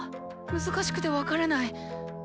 難しくて分からない。